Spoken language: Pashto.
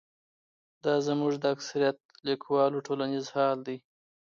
دا زموږ د اکثریت لیکوالو ټولیز حال دی.